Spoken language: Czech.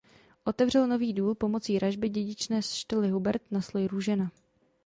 Otevřel nový důl pomocí ražby dědičné štoly Hubert na sloj Růžena.